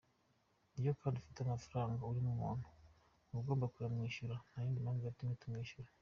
Kandi iyo ufite amafaranga urimo umuntu uba ugomba kuyamwishyura, nta yindi mpamvu yatumye tumwishyura.